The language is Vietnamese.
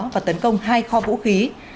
họ tấn công hai kho vũ khí